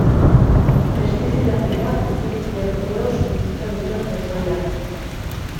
Pestizidak dira bizirik den oro suntsitzen duten pozoiak.